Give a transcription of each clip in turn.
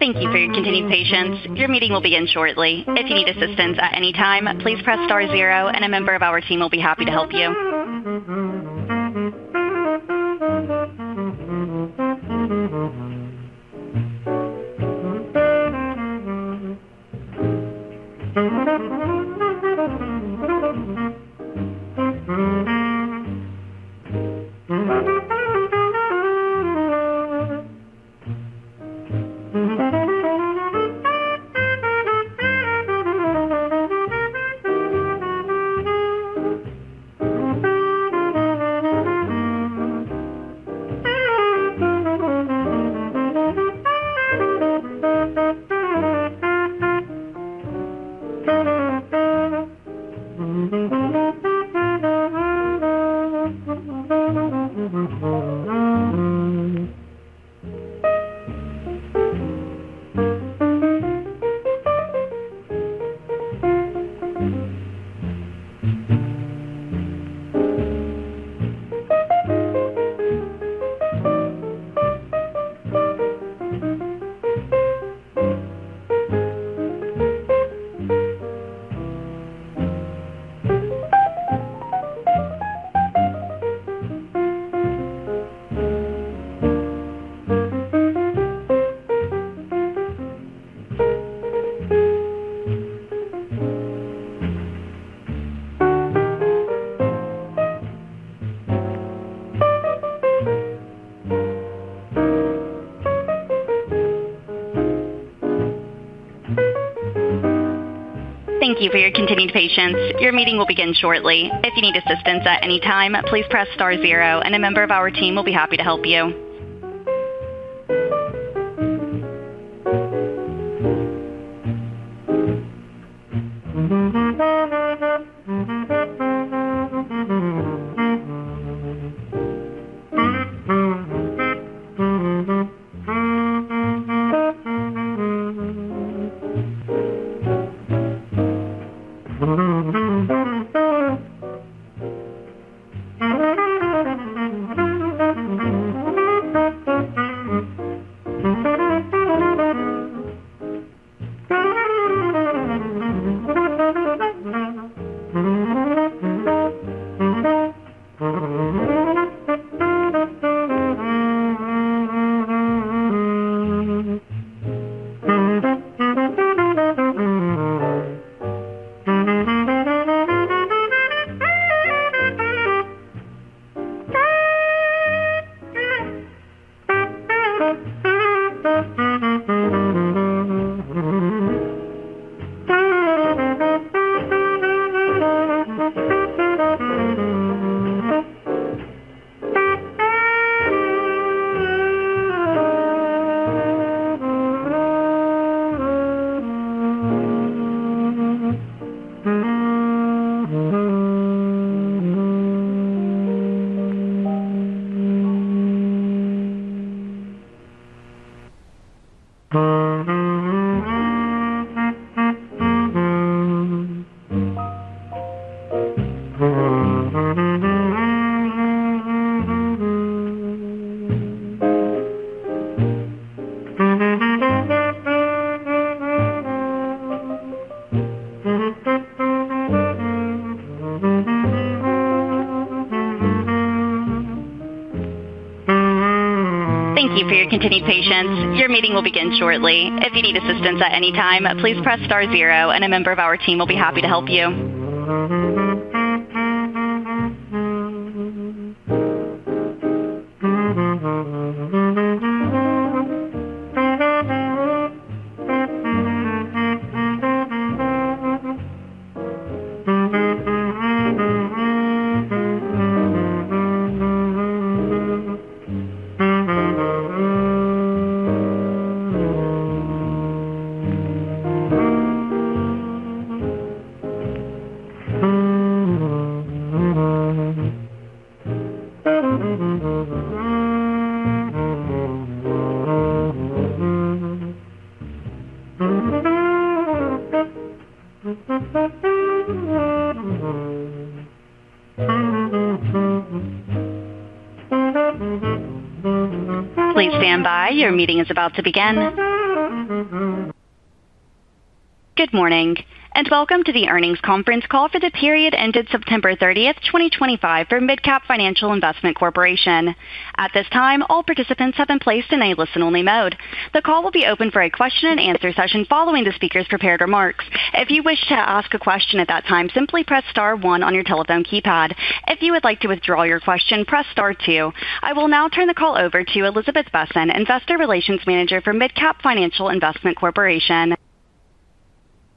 Thank you for your continued patience. Your meeting will begin shortly. If you need assistance at any time, please press star zero, and a member of our team will be happy to help you. Please stand by. Your meeting is about to begin. Good morning and welcome to the earnings conference call for the period ended September 30th, 2025, for MidCap Financial Investment Corporation. At this time, all participants have been placed in a listen-only mode. The call will be open for a question-and-answer session following the speaker's prepared remarks. If you wish to ask a question at that time, simply press star one on your telephone keypad. If you would like to withdraw your question, press star two. I will now turn the call over to Elizabeth Besen, Investor Relations Manager for MidCap Financial Investment Corporation.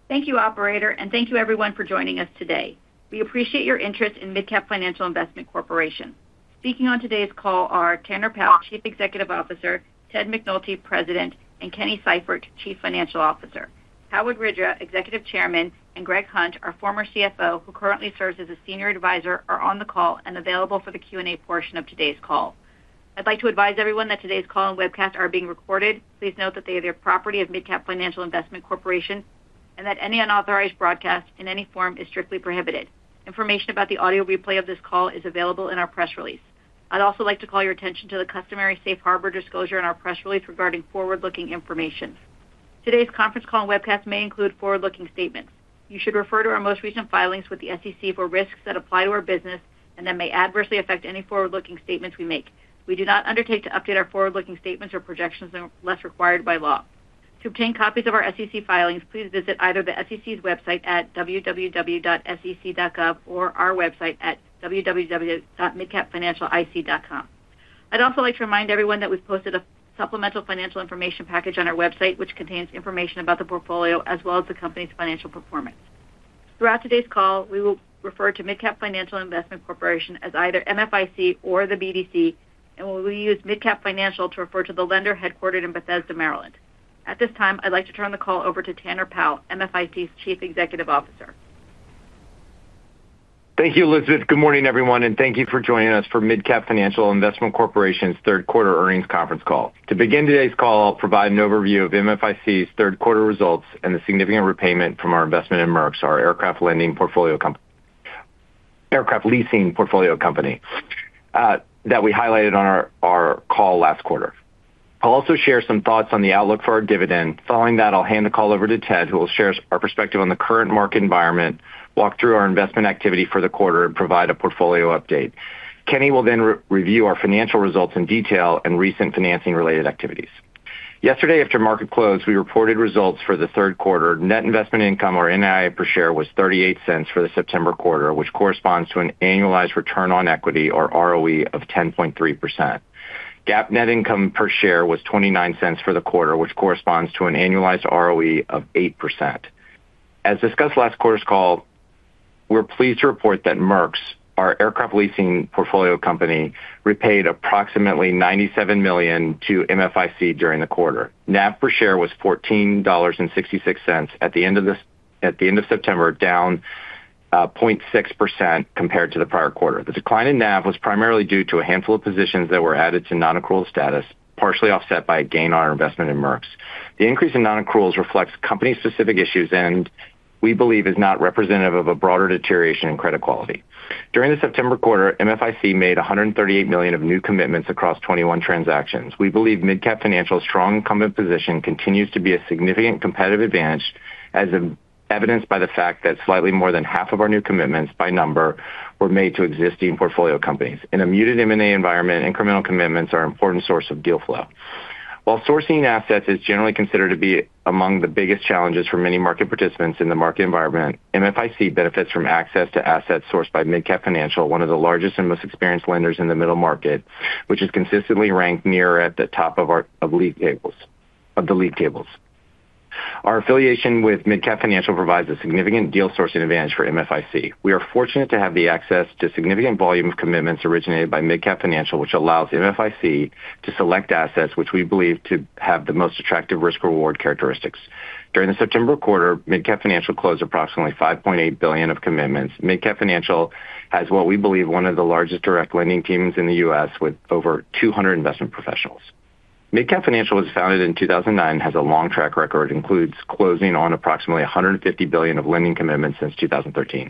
Thank you, operator, and thank you, everyone, for joining us today. We appreciate your interest in MidCap Financial Investment Corporation. Speaking on today's call are Tanner Powell, Chief Executive Officer; Ted McNulty, President; and Kenny Seifert, Chief Financial Officer. Howard Widra, Executive Chairman, and Greg Hunt, our former CFO, who currently serves as a Senior Advisor, are on the call and available for the Q&A portion of today's call. I'd like to advise everyone that today's call and webcast are being recorded. Please note that they are the property of MidCap Financial Investment Corporation and that any unauthorized broadcast in any form is strictly prohibited. Information about the audio replay of this call is available in our press release. I'd also like to call your attention to the customary safe harbor disclosure in our press release regarding forward-looking information. Today's conference call and webcast may include forward-looking statements. You should refer to our most recent filings with the SEC for risks that apply to our business and that may adversely affect any forward-looking statements we make. We do not undertake to update our forward-looking statements or projections unless required by law. To obtain copies of our SEC filings, please visit either the SEC's website at www.sec.gov or our website at www.midcapfinancialic.com. I'd also like to remind everyone that we've posted a supplemental financial information package on our website, which contains information about the portfolio as well as the company's financial performance. Throughout today's call, we will refer to MidCap Financial Investment Corporation as either MFIC or the BDC, and we will use MidCap Financial to refer to the lender headquartered in Bethesda, Maryland. At this time, I'd like to turn the call over to Tanner Powell, MFIC's Chief Executive Officer. Thank you, Elizabeth. Good morning, everyone, and thank you for joining us for MidCap Financial Investment Corporation's third-quarter earnings conference call. To begin today's call, I'll provide an overview of MFIC's third-quarter results and the significant repayment from our investment in Merck, our aircraft lending portfolio company, aircraft leasing portfolio company, that we highlighted on our call last quarter. I'll also share some thoughts on the outlook for our dividend. Following that, I'll hand the call over to Ted, who will share our perspective on the current market environment, walk through our investment activity for the quarter, and provide a portfolio update. Kenny will then review our financial results in detail and recent financing-related activities. Yesterday, after market close, we reported results for the third quarter. Net investment income, or NII per share, was $0.38 for the September quarter, which corresponds to an annualized return on equity, or ROE, of 10.3%. GAAP net income per share was $0.29 for the quarter, which corresponds to an annualized ROE of 8%. As discussed last quarter's call, we're pleased to report that Merck, our aircraft leasing portfolio company, repaid approximately $97 million to MFIC during the quarter. NAV per share was $14.66 at the end of September, down 0.6% compared to the prior quarter. The decline in NAV was primarily due to a handful of positions that were added to non-accrual status, partially offset by a gain on our investment in Merck. The increase in non-accruals reflects company-specific issues and, we believe, is not representative of a broader deterioration in credit quality. During the September quarter, MFIC made $138 million of new commitments across 21 transactions. We believe MidCap Financial's strong incumbent position continues to be a significant competitive advantage, as evidenced by the fact that slightly more than half of our new commitments, by number, were made to existing portfolio companies. In a muted M&A environment, incremental commitments are an important source of deal flow. While sourcing assets is generally considered to be among the biggest challenges for many market participants in the market environment, MFIC benefits from access to assets sourced by MidCap Financial, one of the largest and most experienced lenders in the middle market, which is consistently ranked near the top of the league tables. Our affiliation with MidCap Financial provides a significant deal-sourcing advantage for MFIC. We are fortunate to have the access to a significant volume of commitments originated by MidCap Financial, which allows MFIC to select assets which we believe to have the most attractive risk-reward characteristics. During the September quarter, MidCap Financial closed approximately $5.8 billion of commitments. MidCap Financial has what we believe is one of the largest direct lending teams in the U.S, with over 200 investment professionals. MidCap Financial was founded in 2009 and has a long track record, including closing on approximately $150 billion of lending commitments since 2013.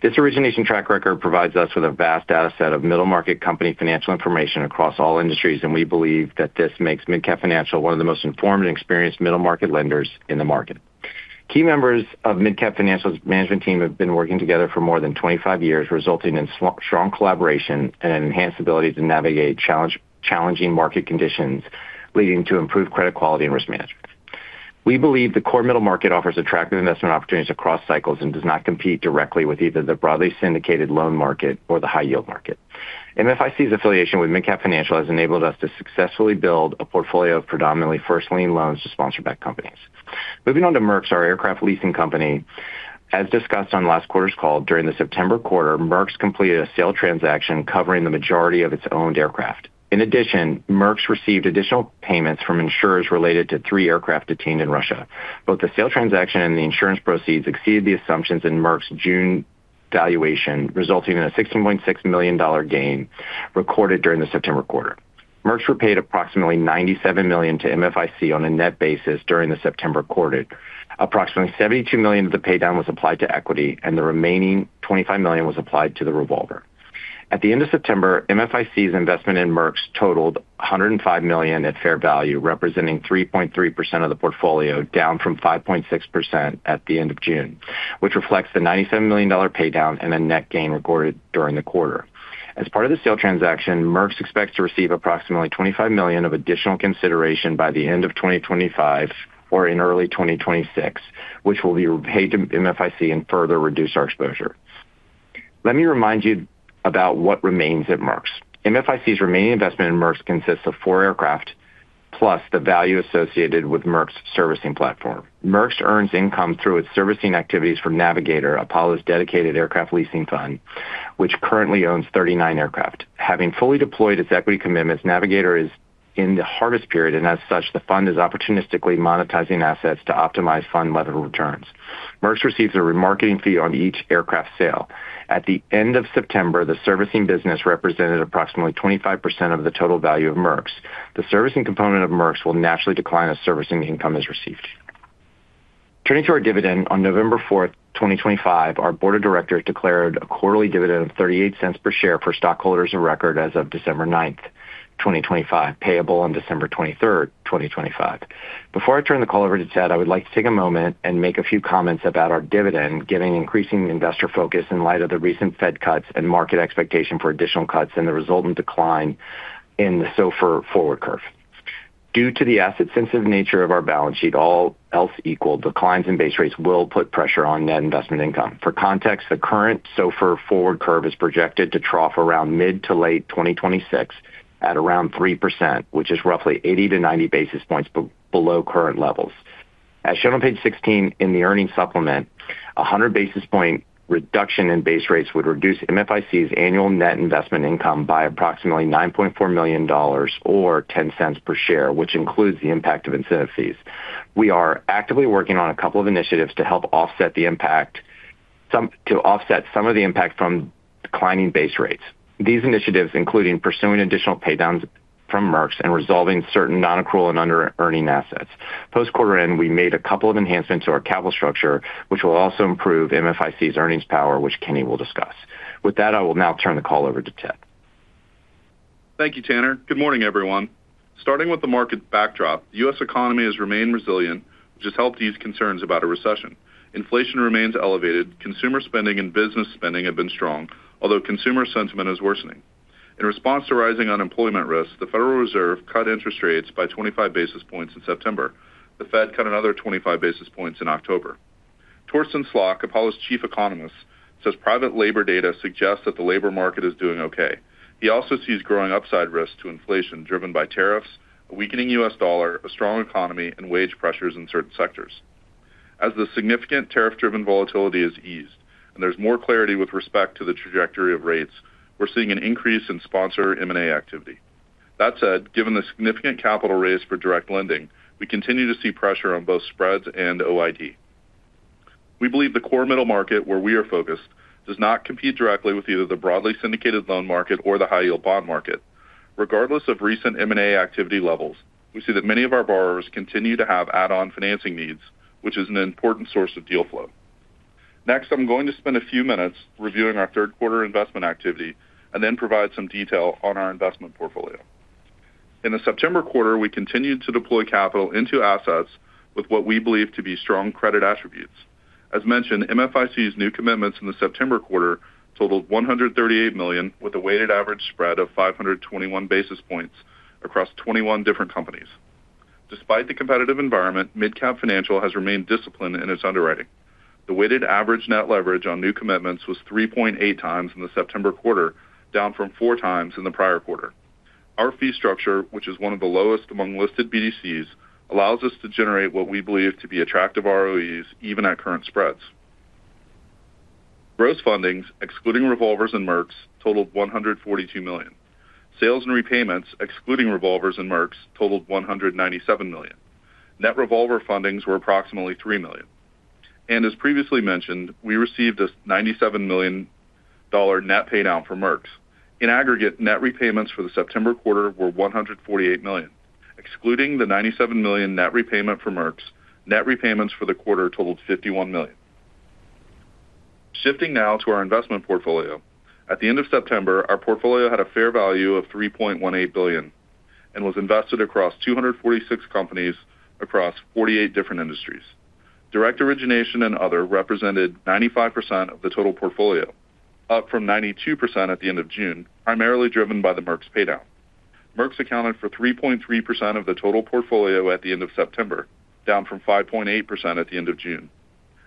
This origination track record provides us with a vast data set of middle-market company financial information across all industries, and we believe that this makes MidCap Financial one of the most informed and experienced middle-market lenders in the market. Key members of MidCap Financial's management team have been working together for more than 25 years, resulting in strong collaboration and an enhanced ability to navigate challenging market conditions, leading to improved credit quality and risk management. We believe the core middle market offers attractive investment opportunities across cycles and does not compete directly with either the broadly syndicated loan market or the high-yield market. MFIC's affiliation with MidCap Financial has enabled us to successfully build a portfolio of predominantly first lien loans to sponsor-backed companies. Moving on to Merck, our aircraft leasing company, as discussed on last quarter's call, during the September quarter, Merck completed a sale transaction covering the majority of its owned aircraft. In addition, Merck received additional payments from insurers related to three aircraft detained in Russia. Both the sale transaction and the insurance proceeds exceeded the assumptions in Merck's June valuation, resulting in a $16.6 million gain recorded during the September quarter. Merck repaid approximately $97 million to MFIC on a net basis during the September quarter. Approximately $72 million of the paydown was applied to equity, and the remaining $25 million was applied to the revolver. At the end of September, MFIC's investment in Merck totaled $105 million at fair value, representing 3.3% of the portfolio, down from 5.6% at the end of June, which reflects the $97 million paydown and a net gain recorded during the quarter. As part of the sale transaction, Merck expects to receive approximately $25 million of additional consideration by the end of 2025 or in early 2026, which will be repaid to MFIC and further reduce our exposure. Let me remind you about what remains at Merck. MFIC's remaining investment in Merck consists of four aircraft plus the value associated with Merck's servicing platform. Merck earns income through its servicing activities from Navigator, Apollo's dedicated aircraft leasing fund, which currently owns 39 aircraft. Having fully deployed its equity commitments, Navigator is in the harvest period, and as such, the fund is opportunistically monetizing assets to optimize fund-level returns. Merck receives a remarketing fee on each aircraft sale. At the end of September, the servicing business represented approximately 25% of the total value of Merck. The servicing component of Merck will naturally decline as servicing income is received. Turning to our dividend, on November 4th, 2025, our board of directors declared a quarterly dividend of $0.38 per share for stockholders of record as of December 9th, 2025, payable on December 23rd, 2025. Before I turn the call over to Ted, I would like to take a moment and make a few comments about our dividend, given increasing investor focus in light of the recent Fed cuts and market expectation for additional cuts and the resultant decline in the SOFR forward curve. Due to the asset-sensitive nature of our balance sheet, all else equal, declines in base rates will put pressure on net investment income. For context, the current SOFR forward curve is projected to trough around mid to late 2026 at around 3%, which is roughly 80-90 basis points below current levels. As shown on page 16 in the earnings supplement, a 100-basis-point reduction in base rates would reduce MFIC's annual net investment income by approximately $9.4 million or $0.10 per share, which includes the impact of incentive fees. We are actively working on a couple of initiatives to help offset the impact, some to offset some of the impact from declining base rates. These initiatives include pursuing additional paydowns from Merck and resolving certain non-accrual and under-earning assets. Post-quarter end, we made a couple of enhancements to our capital structure, which will also improve MFIC's earnings power, which Kenny will discuss. With that, I will now turn the call over to Ted. Thank you, Tanner. Good morning, everyone. Starting with the market backdrop, the U.S. economy has remained resilient, which has helped ease concerns about a recession. Inflation remains elevated. Consumer spending and business spending have been strong, although consumer sentiment is worsening. In response to rising unemployment risks, the Federal Reserve cut interest rates by 25 basis points in September. The Fed cut another 25 basis points in October. Torsten Slok, Apollo's Chief Economist, says private labor data suggests that the labor market is doing okay. He also sees growing upside risks to inflation driven by tariffs, a weakening U.S. dollar, a strong economy, and wage pressures in certain sectors. As the significant tariff-driven volatility is eased and there is more clarity with respect to the trajectory of rates, we are seeing an increase in sponsor M&A activity. That said, given the significant capital raised for direct lending, we continue to see pressure on both spreads and OID. We believe the core middle market, where we are focused, does not compete directly with either the broadly syndicated loan market or the high-yield bond market. Regardless of recent M&A activity levels, we see that many of our borrowers continue to have add-on financing needs, which is an important source of deal flow. Next, I'm going to spend a few minutes reviewing our third-quarter investment activity and then provide some detail on our investment portfolio. In the September quarter, we continued to deploy capital into assets with what we believe to be strong credit attributes. As mentioned, MFIC's new commitments in the September quarter totaled $138 million, with a weighted average spread of 521 basis points across 21 different companies. Despite the competitive environment, MidCap Financial has remained disciplined in its underwriting. The weighted average net leverage on new commitments was 3.8 times in the September quarter, down from four times in the prior quarter. Our fee structure, which is one of the lowest among listed BDCs, allows us to generate what we believe to be attractive ROEs, even at current spreads. Gross fundings, excluding revolvers and Merck, totaled $142 million. Sales and repayments, excluding revolvers and Merck, totaled $197 million. Net revolver fundings were approximately $3 million. As previously mentioned, we received a $97 million net paydown for Merck. In aggregate, net repayments for the September quarter were $148 million. Excluding the $97 million net repayment for Merck, net repayments for the quarter totaled $51 million. Shifting now to our investment portfolio. At the end of September, our portfolio had a fair value of $3.18 billion and was invested across 246 companies across 48 different industries. Direct origination and other represented 95% of the total portfolio, up from 92% at the end of June, primarily driven by the Merck paydown. Merck accounted for 3.3% of the total portfolio at the end of September, down from 5.8% at the end of June.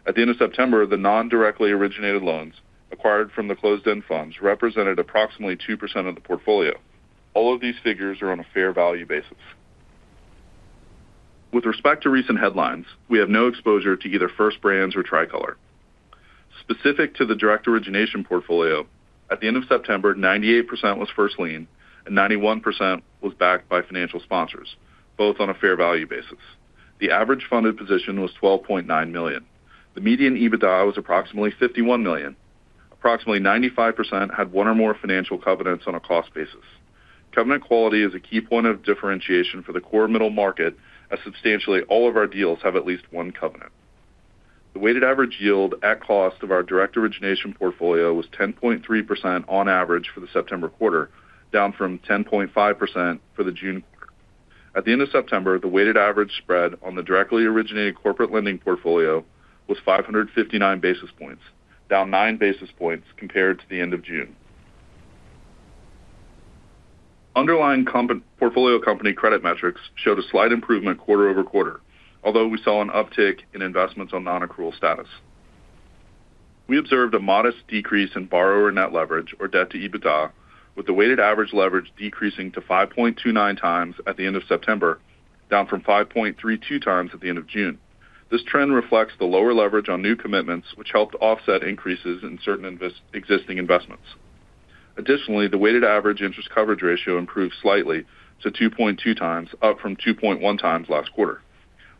At the end of September, the non-directly originated loans acquired from the closed-end funds represented approximately 2% of the portfolio. All of these figures are on a fair value basis. With respect to recent headlines, we have no exposure to either First Brands or Tricolor. Specific to the direct origination portfolio, at the end of September, 98% was first lien and 91% was backed by financial sponsors, both on a fair value basis. The average funded position was $12.9 million. The median EBITDA was approximately $51 million. Approximately 95% had one or more financial covenants on a cost basis. Covenant quality is a key point of differentiation for the core middle market, as substantially all of our deals have at least one covenant. The weighted average yield at cost of our direct origination portfolio was 10.3% on average for the September quarter, down from 10.5% for the June quarter. At the end of September, the weighted average spread on the directly originated corporate lending portfolio was 559 basis points, down 9 basis points compared to the end of June. Underlying portfolio company credit metrics showed a slight improvement quarter over quarter, although we saw an uptick in investments on non-accrual status. We observed a modest decrease in borrower net leverage, or debt to EBITDA, with the weighted average leverage decreasing to 5.29 times at the end of September, down from 5.32 times at the end of June. This trend reflects the lower leverage on new commitments, which helped offset increases in certain existing investments. Additionally, the weighted average interest coverage ratio improved slightly to 2.2 times, up from 2.1 times last quarter.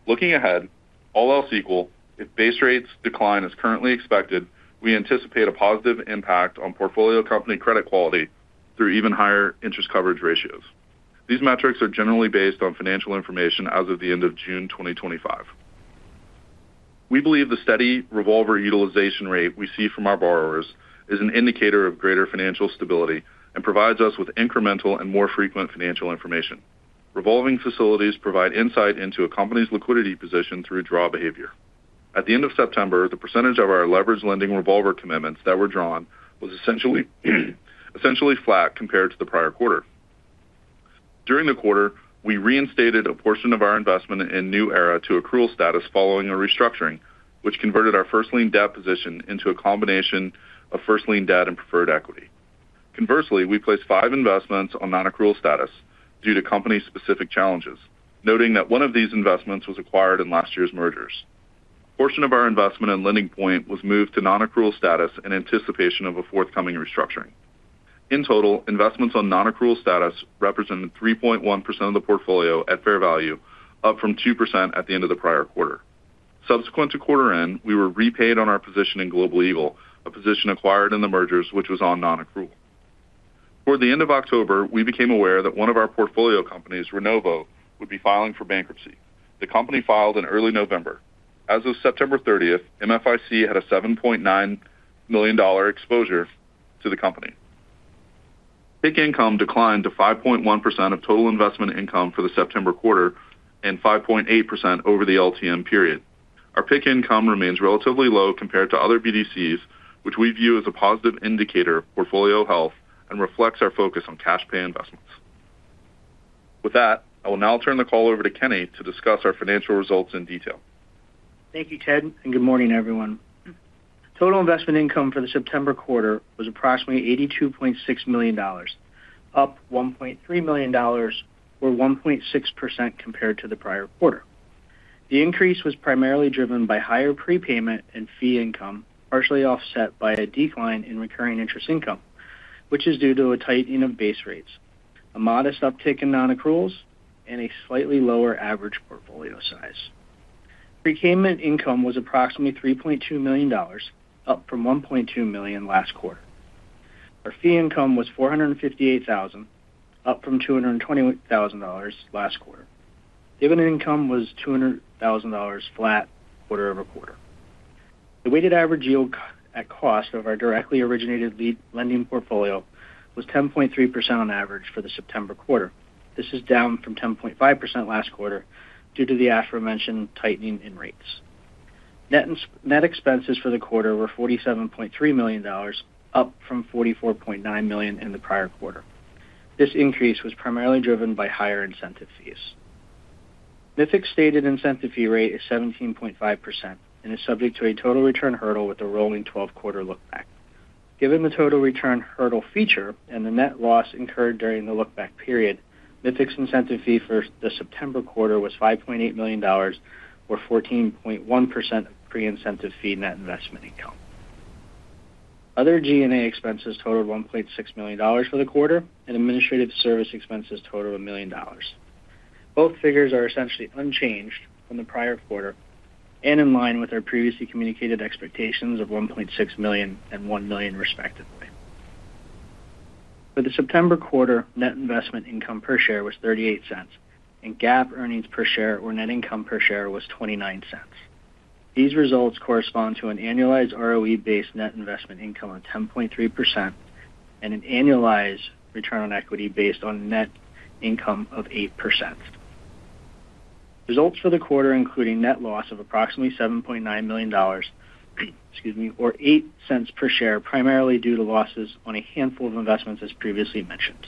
Looking ahead, all else equal, if base rates decline as currently expected, we anticipate a positive impact on portfolio company credit quality through even higher interest coverage ratios. These metrics are generally based on financial information as of the end of June 2025. We believe the steady revolver utilization rate we see from our borrowers is an indicator of greater financial stability and provides us with incremental and more frequent financial information. Revolving facilities provide insight into a company's liquidity position through draw behavior. At the end of September, the percentage of our leveraged lending revolver commitments that were drawn was essentially flat compared to the prior quarter. During the quarter, we reinstated a portion of our investment in New Era to accrual status following a restructuring, which converted our first lien debt position into a combination of first lien debt and preferred equity. Conversely, we placed five investments on non-accrual status due to company-specific challenges, noting that one of these investments was acquired in last year's mergers. A portion of our investment in LendingPoint was moved to non-accrual status in anticipation of a forthcoming restructuring. In total, investments on non-accrual status represented 3.1% of the portfolio at fair value, up from 2% at the end of the prior quarter. Subsequent to quarter end, we were repaid on our position in Global Eagle, a position acquired in the mergers, which was on non-accrual. Toward the end of October, we became aware that one of our portfolio companies, Renovo, would be filing for bankruptcy. The company filed in early November. As of September 30th, MFIC had a $7.9 million exposure to the company. PIK income declined to 5.1% of total investment income for the September quarter and 5.8% over the LTM period. Our PIK income remains relatively low compared to other BDCs, which we view as a positive indicator of portfolio health and reflects our focus on cash pay investments. With that, I will now turn the call over to Kenny to discuss our financial results in detail. Thank you, Ted, and good morning, everyone. Total investment income for the September quarter was approximately $82.6 million, up $1.3 million, or 1.6% compared to the prior quarter. The increase was primarily driven by higher prepayment and fee income, partially offset by a decline in recurring interest income, which is due to a tightening of base rates, a modest uptick in non-accruals, and a slightly lower average portfolio size. Prepayment income was approximately $3.2 million, up from $1.2 million last quarter. Our fee income was $458,000, up from $220,000 last quarter. Dividend income was $200,000 flat quarter-over-quarter. The weighted average yield at cost of our directly originated lending portfolio was 10.3% on average for the September quarter. This is down from 10.5% last quarter due to the aforementioned tightening in rates. Net expenses for the quarter were $47.3 million, up from $44.9 million in the prior quarter. This increase was primarily driven by higher incentive fees. MidCap's stated incentive fee rate is 17.5% and is subject to a total return hurdle with a rolling 12-quarter lookback. Given the total return hurdle feature and the net loss incurred during the lookback period, MidCap's incentive fee for the September quarter was $5.8 million, or 14.1% of pre-incentive fee net investment income. Other G&A expenses totaled $1.6 million for the quarter and administrative service expenses totaled $1 million. Both figures are essentially unchanged from the prior quarter and in line with our previously communicated expectations of $1.6 million and $1 million, respectively. For the September quarter, net investment income per share was $0.38, and GAAP earnings per share or net income per share was $0.29. These results correspond to an annualized ROE-based net investment income of 10.3% and an annualized return on equity based on net income of 8%. Results for the quarter included net loss of approximately $7.9 million, excuse me, or $0.08 per share, primarily due to losses on a handful of investments, as previously mentioned.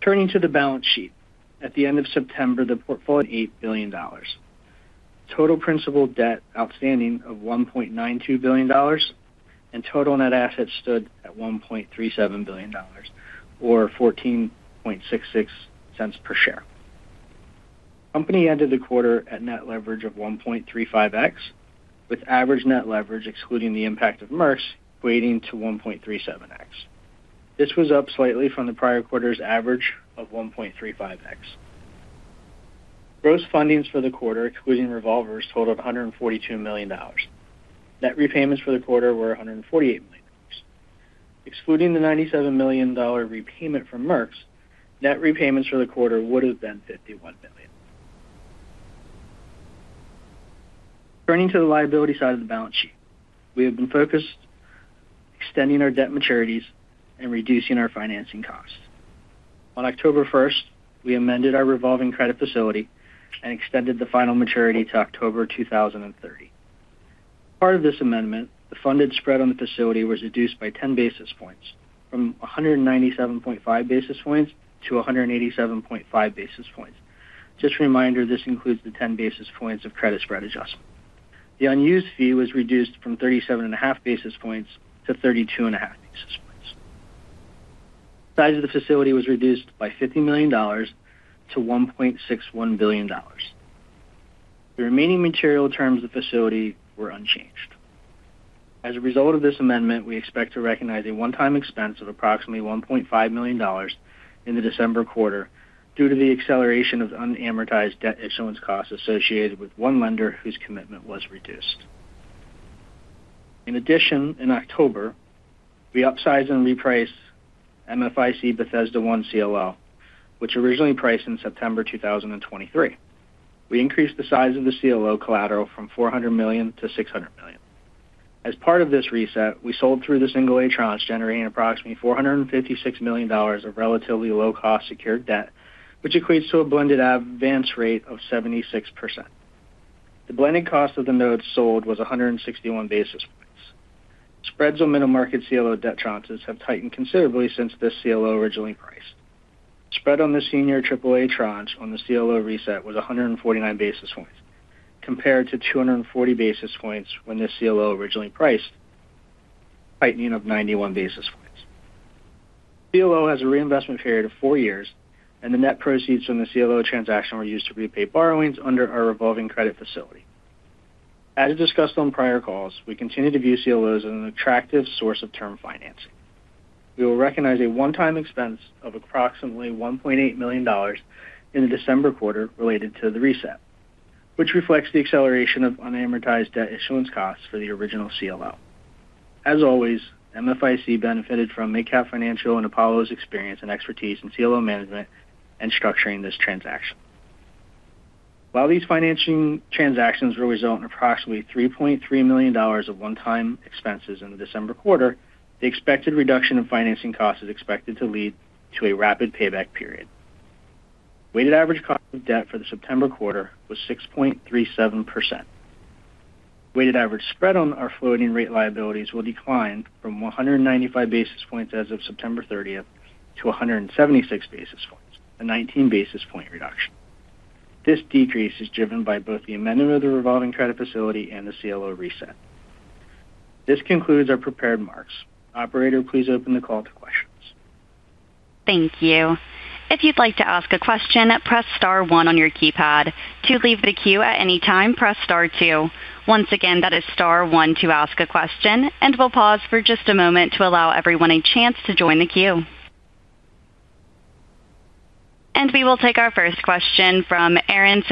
Turning to the balance sheet, at the end of September, the portfolio was $1.8 billion. Total principal debt outstanding of $1.92 billion and total net assets stood at $1.37 billion, or $14.66 per share. Company ended the quarter at net leverage of 1.35x, with average net leverage, excluding the impact of Merck, equating to 1.37x. This was up slightly from the prior quarter's average of 1.35x. Gross fundings for the quarter, excluding revolvers, totaled $142 million. Net repayments for the quarter were $148 million. Excluding the $97 million repayment from Merck, net repayments for the quarter would have been $51 million. Turning to the liability side of the balance sheet, we have been focused on extending our debt maturities and reducing our financing costs. On October 1st, we amended our revolving credit facility and extended the final maturity to October 2030. As part of this amendment, the funded spread on the facility was reduced by 10 basis points, from 197.5 basis points-187.5 basis points. Just a reminder, this includes the 10 basis points of credit spread adjustment. The unused fee was reduced from 37.5 basis points to 32.5 basis points. The size of the facility was reduced by $50 million to $1.61 billion. The remaining material terms of the facility were unchanged. As a result of this amendment, we expect to recognize a one-time expense of approximately $1.5 million in the December quarter due to the acceleration of unamortized debt issuance costs associated with one lender whose commitment was reduced. In addition, in October, we upsized and repriced MFIC Bethesda One CLL, which originally priced in September 2023. We increased the size of the CLL collateral from $400 million to $600 million. As part of this reset, we sold through the single-A tranche, generating approximately $456 million of relatively low-cost secured debt, which equates to a blended advance rate of 76%. The blended cost of the notes sold was 161 basis points. Spreads on middle-market CLL debt tranches have tightened considerably since this CLL originally priced. Spread on the senior AAA tranche on the CLL reset was 149 basis points, compared to 240 basis points when this CLL originally priced, tightening of 91 basis points. The CLL has a reinvestment period of four years, and the net proceeds from the CLL transaction were used to repay borrowings under our revolving credit facility. As discussed on prior calls, we continue to view CLLs as an attractive source of term financing. We will recognize a one-time expense of approximately $1.8 million in the December quarter related to the reset, which reflects the acceleration of unamortized debt issuance costs for the original CLL. As always, MFIC benefited from MidCap Financial and Apollo's experience and expertise in CLL management and structuring this transaction. While these financing transactions will result in approximately $3.3 million of one-time expenses in the December quarter, the expected reduction in financing costs is expected to lead to a rapid payback period. Weighted average cost of debt for the September quarter was 6.37%. Weighted average spread on our floating rate liabilities will decline from 195 basis points as of September 30 to 176 basis points, a 19-basis-point reduction. This decrease is driven by both the amendment of the revolving credit facility and the CLL reset. This concludes our prepared marks. Operator, please open the call to questions. Thank you. If you'd like to ask a question, press star one on your keypad. To leave the queue at any time, press star two. Once again, that is star one to ask a question, and we'll pause for just a moment to allow everyone a chance to join the queue. We will take our first question from Arren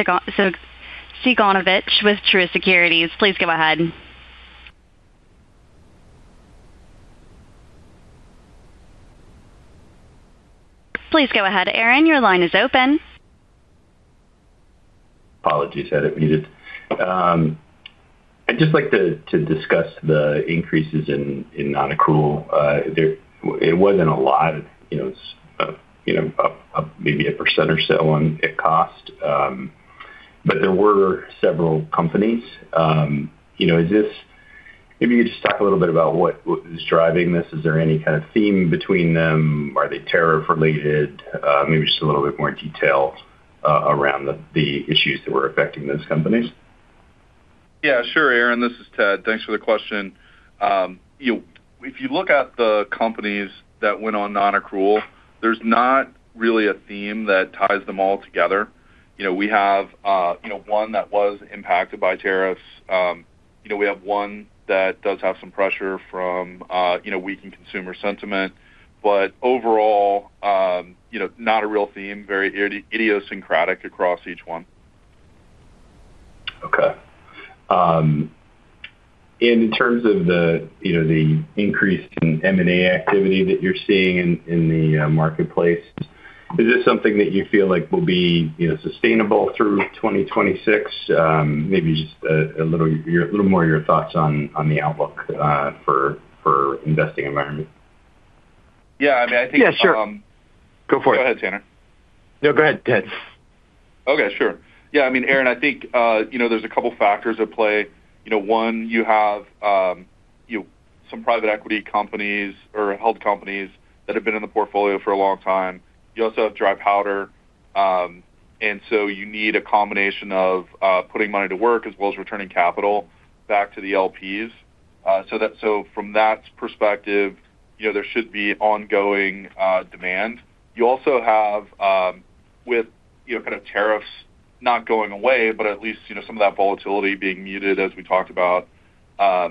Cygonovich with Truist Securities. Please go ahead. Please go ahead, Aaron. Your line is open. Apologies, had it muted. I'd just like to discuss the increases in non-accrual. It wasn't a lot, maybe a percent or so on cost, but there were several companies. Maybe you could just talk a little bit about what was driving this. Is there any kind of theme between them? Are they tariff-related? Maybe just a little bit more detail around the issues that were affecting those companies. Yeah, sure, Aaron. This is Ted. Thanks for the question. If you look at the companies that went on non-accrual, there's not really a theme that ties them all together. We have one that was impacted by tariffs. We have one that does have some pressure from weakened consumer sentiment, but overall, not a real theme, very idiosyncratic across each one. Okay. In terms of the increase in M&A activity that you're seeing in the marketplace, is this something that you feel like will be sustainable through 2026? Maybe just a little more of your thoughts on the outlook for investing environment. Yeah, I mean, I think. Yeah, sure. Go for it. Go ahead, Tanner. No, go ahead, Ted. Okay, sure. Yeah, I mean, Arren, I think there's a couple of factors at play. One, you have some private equity companies or held companies that have been in the portfolio for a long time. You also have dry powder, and so you need a combination of putting money to work as well as returning capital back to the LPs. From that perspective, there should be ongoing demand. You also have, with kind of tariffs not going away, but at least some of that volatility being muted, as we talked about, a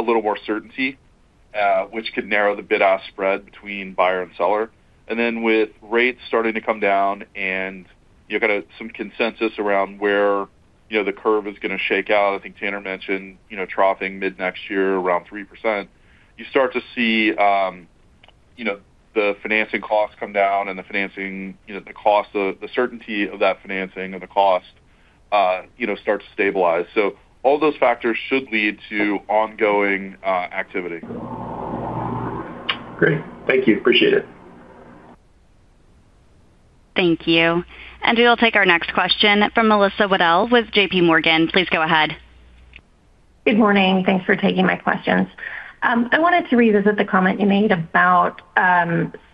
little more certainty, which could narrow the bid-ask spread between buyer and seller. With rates starting to come down and kind of some consensus around where the curve is going to shake out, I think Tanner mentioned troughing mid-next year around 3%, you start to see the financing costs come down and the financing, the cost, the certainty of that financing and the cost start to stabilize. All those factors should lead to ongoing activity. Great. Thank you. Appreciate it. Thank you. We will take our next question from Melissa Waddell with JPMorgan. Please go ahead. Good morning. Thanks for taking my questions. I wanted to revisit the comment you made about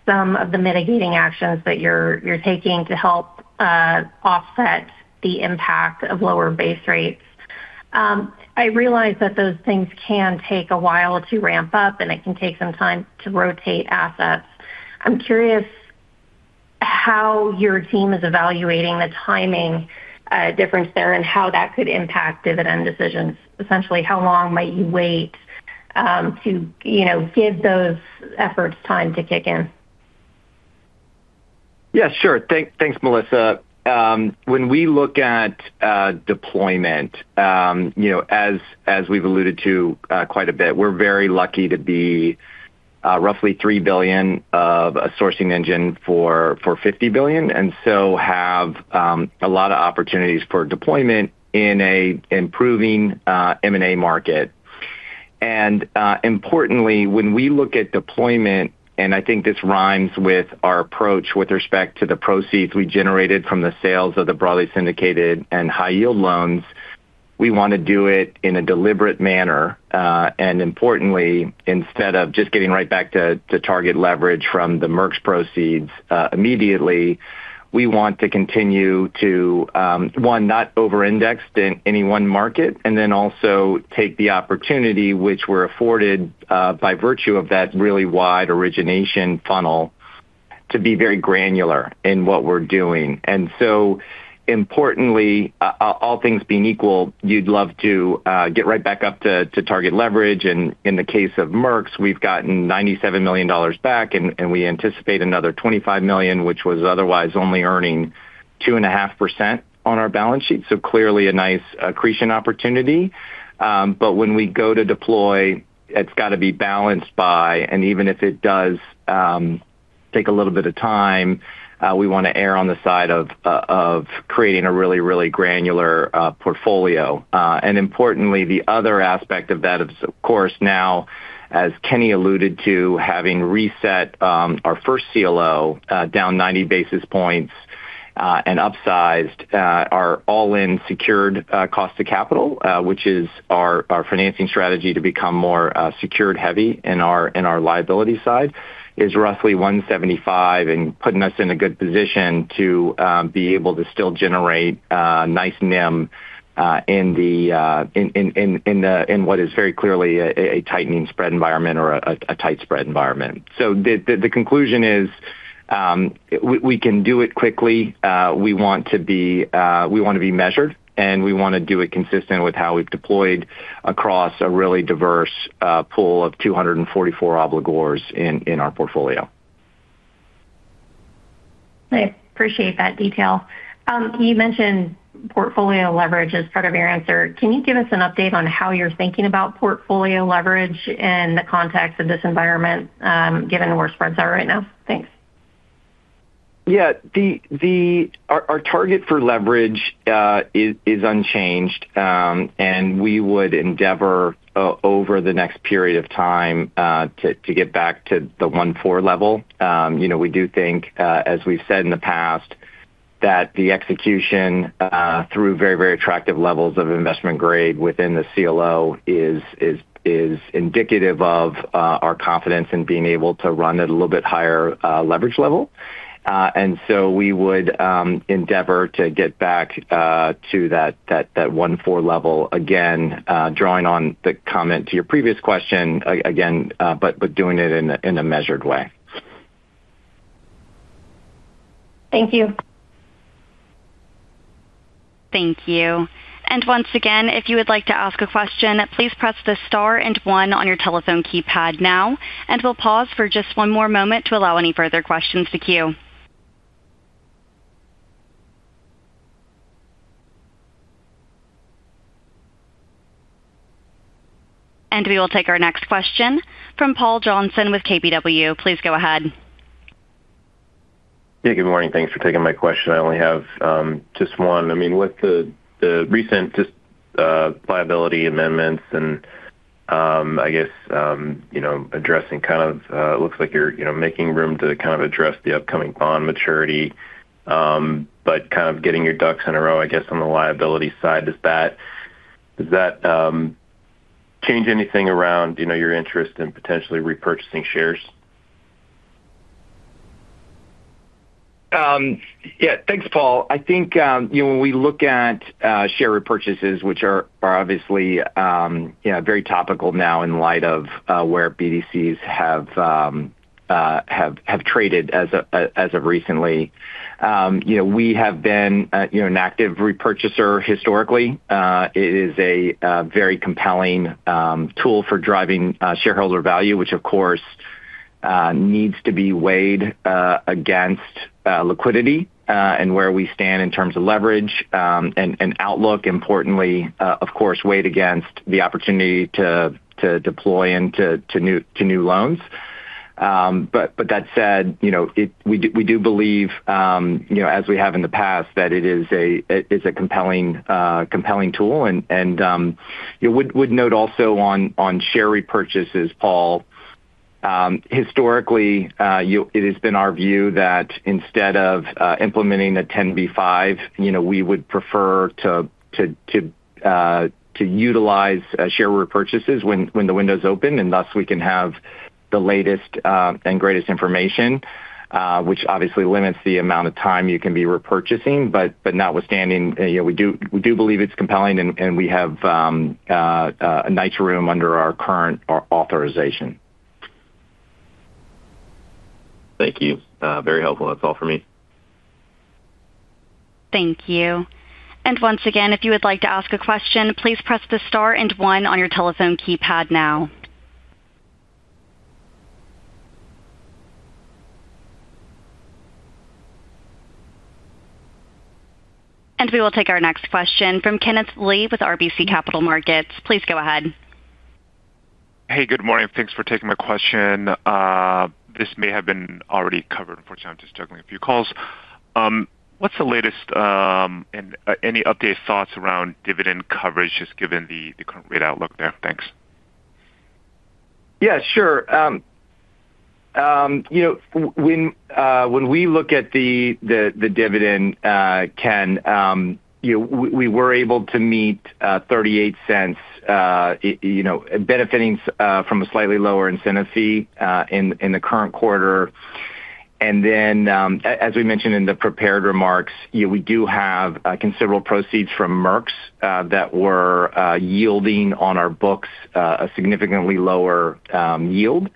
some of the mitigating actions that you're taking to help offset the impact of lower base rates. I realize that those things can take a while to ramp up, and it can take some time to rotate assets. I'm curious how your team is evaluating the timing difference there and how that could impact dividend decisions. Essentially, how long might you wait to give those efforts time to kick in? Yeah, sure. Thanks, Melissa. When we look at deployment, as we've alluded to quite a bit, we're very lucky to be roughly $3 billion of a sourcing engine for $50 billion, and have a lot of opportunities for deployment in an improving M&A market. Importantly, when we look at deployment, and I think this rhymes with our approach with respect to the proceeds we generated from the sales of the broadly syndicated and high-yield loans, we want to do it in a deliberate manner. Importantly, instead of just getting right back to target leverage from the Merck proceeds immediately, we want to continue to, one, not over-index in any one market, and then also take the opportunity, which we're afforded by virtue of that really wide origination funnel, to be very granular in what we're doing. Importantly, all things being equal, you'd love to get right back up to target leverage. In the case of Merck, we've gotten $97 million back, and we anticipate another $25 million, which was otherwise only earning 2.5% on our balance sheet. Clearly, a nice accretion opportunity. When we go to deploy, it's got to be balanced by, and even if it does take a little bit of time, we want to err on the side of creating a really, really granular portfolio. Importantly, the other aspect of that is, of course, now, as Kenny alluded to, having reset our first CLL down 90 basis points and upsized our all-in secured cost of capital, which is our financing strategy to become more secured-heavy in our liability side, is roughly $175 and putting us in a good position to be able to still generate nice NIM in what is very clearly a tightening spread environment or a tight spread environment. The conclusion is we can do it quickly. We want to be measured, and we want to do it consistent with how we've deployed across a really diverse pool of 244 obligors in our portfolio. I appreciate that detail. You mentioned portfolio leverage as part of your answer. Can you give us an update on how you're thinking about portfolio leverage in the context of this environment, given where spreads are right now? Thanks. Yeah. Our target for leverage is unchanged, and we would endeavor over the next period of time to get back to the 1.4 level. We do think, as we've said in the past, that the execution through very, very attractive levels of investment grade within the CLL is indicative of our confidence in being able to run at a little bit higher leverage level. We would endeavor to get back to that 1.4 level, again, drawing on the comment to your previous question, again, but doing it in a measured way. Thank you. Thank you. If you would like to ask a question, please press the star and one on your telephone keypad now, and we'll pause for just one more moment to allow any further questions to queue. We will take our next question from Paul Johnson with KBW. Please go ahead. Hey, good morning. Thanks for taking my question. I only have just one. I mean, with the recent liability amendments and, I guess, addressing kind of it looks like you're making room to kind of address the upcoming bond maturity, but kind of getting your ducks in a row, I guess, on the liability side. Does that change anything around your interest in potentially repurchasing shares? Yeah. Thanks, Paul. I think when we look at share repurchases, which are obviously very topical now in light of where BDCs have traded as of recently, we have been an active repurchaser historically. It is a very compelling tool for driving shareholder value, which, of course, needs to be weighed against liquidity and where we stand in terms of leverage and outlook. Importantly, of course, weighed against the opportunity to deploy into new loans. That said, we do believe, as we have in the past, that it is a compelling tool. I would note also on share repurchases, Paul, historically, it has been our view that instead of implementing a 10B5, we would prefer to utilize share repurchases when the windows open, and thus we can have the latest and greatest information, which obviously limits the amount of time you can be repurchasing. Notwithstanding, we do believe it's compelling, and we have a nice room under our current authorization. Thank you. Very helpful. That's all for me. Thank you. If you would like to ask a question, please press the star and one on your telephone keypad now. We will take our next question from Kenneth Lee with RBC Capital Markets. Please go ahead. Hey, good morning. Thanks for taking my question. This may have been already covered. Unfortunately, I'm just juggling a few calls. What's the latest and any updated thoughts around dividend coverage, just given the current rate outlook there? Thanks. Yeah, sure. When we look at the dividend, Ken, we were able to meet $0.38, benefiting from a slightly lower incentive fee in the current quarter. As we mentioned in the prepared remarks, we do have considerable proceeds from Merck that were yielding on our books a significantly lower yield.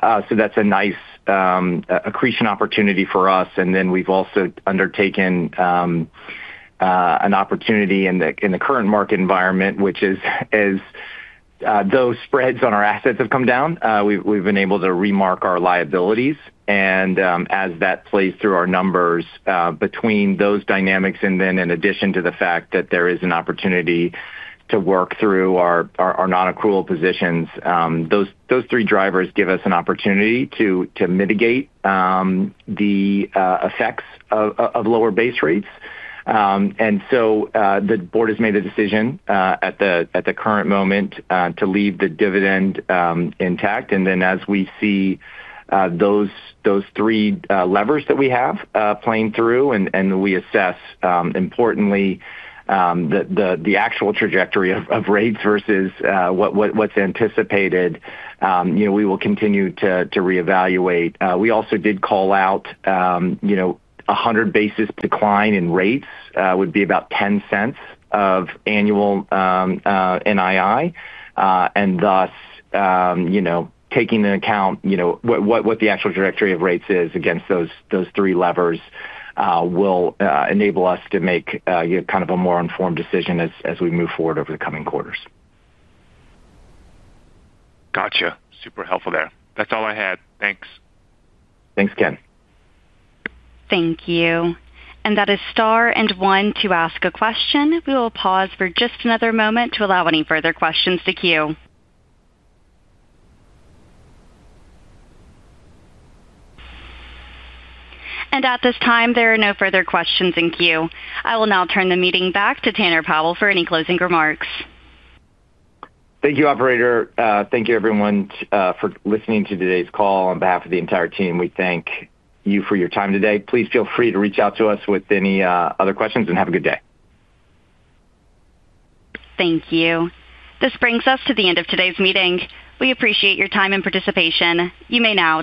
That is a nice accretion opportunity for us. We have also undertaken an opportunity in the current market environment, which is, as those spreads on our assets have come down, we have been able to remark our liabilities. As that plays through our numbers, between those dynamics and in addition to the fact that there is an opportunity to work through our non-accrual positions, those three drivers give us an opportunity to mitigate the effects of lower base rates. The board has made a decision at the current moment to leave the dividend intact. As we see those three levers that we have playing through, and we assess, importantly, the actual trajectory of rates versus what's anticipated, we will continue to reevaluate. We also did call out 100 basis points. Decline in rates would be about $0.10 of annual NII. Thus, taking into account what the actual trajectory of rates is against those three levers will enable us to make kind of a more informed decision as we move forward over the coming quarters. Gotcha. Super helpful there. That's all I had. Thanks. Thanks, Ken. Thank you. That is star and one to ask a question. We will pause for just another moment to allow any further questions to queue. At this time, there are no further questions in queue. I will now turn the meeting back to Tanner Powell for any closing remarks. Thank you, operator. Thank you, everyone, for listening to today's call. On behalf of the entire team, we thank you for your time today. Please feel free to reach out to us with any other questions and have a good day. Thank you. This brings us to the end of today's meeting. We appreciate your time and participation. You may now.